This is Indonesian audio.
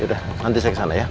yaudah nanti saya ke sana ya